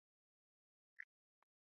圣伊莱尔拉格拉韦勒。